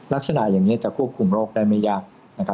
ลักษณะอย่างนี้จะควบคุมโรคได้ไหมยัง